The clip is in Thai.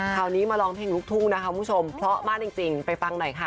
คราวนี้มาร้องเพลงลูกทุ่งนะคะคุณผู้ชมเพราะมากจริงไปฟังหน่อยค่ะ